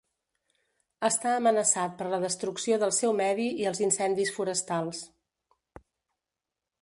Està amenaçat per la destrucció del seu medi i els incendis forestals.